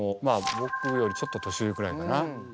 ぼくよりちょっと年上くらいかな？